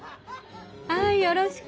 はいよろしく。